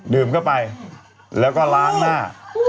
ดื่มเข้าไปแล้วก็ล้างหน้า